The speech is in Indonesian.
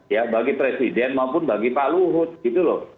ya bagi presiden maupun bagi pak luhut gitu loh